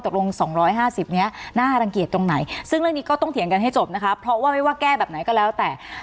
ซึ่งเรื่องนี้ก็ต้องเถียงกันให้จบนะคะเพราะว่าไม่ว่าแก้แบบไหนก็แล้วแต่